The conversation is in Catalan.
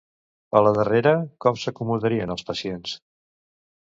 A la darrera, com s'acomodarien els pacients?